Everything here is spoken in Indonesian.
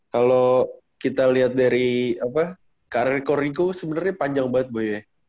kalau kita lihat dari karir koreko sebenarnya panjang banget boy ya